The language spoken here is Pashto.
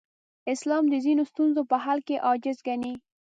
اسلام د ځینو ستونزو په حل کې عاجز ګڼي.